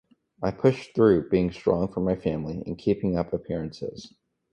I push through, being strong for my family and keeping up appearances.